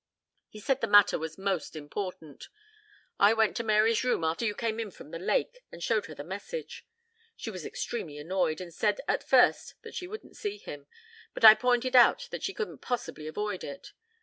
He said the matter was most important. I went to Mary's room after you came in from the lake and showed her the message. She was extremely annoyed and said at first that she wouldn't see him. But I pointed out that she couldn't possibly avoid it.